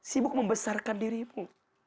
sibuk membesarkan dirimu